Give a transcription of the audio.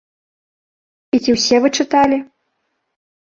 І ці ўсе вы чыталі?